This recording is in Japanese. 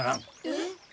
えっ？